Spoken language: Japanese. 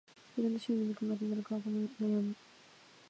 いろんな種類のみかんがあって、どれ買うか悩む